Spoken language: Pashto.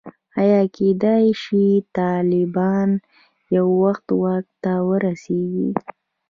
ایا کېدلای شي طالبان یو وخت واک ته ورسېږي.